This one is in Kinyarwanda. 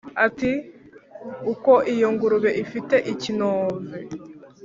Ati: “Uko iyo ngurube ifite ikinove